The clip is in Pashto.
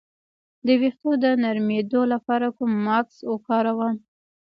د ویښتو د نرمیدو لپاره کوم ماسک وکاروم؟